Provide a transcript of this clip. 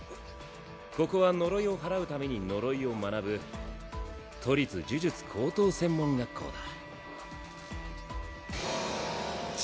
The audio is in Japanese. ここは呪いを祓うために呪いを学ぶ都立呪術高等専門学校だ。